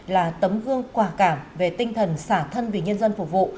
là tấm gương quả cảm về tinh thần xả thân vì nhân dân phục vụ